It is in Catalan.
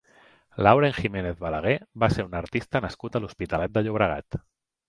Laurent Jiménez-Balaguer va ser un artista nascut a l'Hospitalet de Llobregat.